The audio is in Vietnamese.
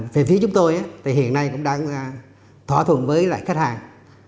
về phía chúng tôi thì hiện nay cũng đang thỏa thuận với lại khách hàng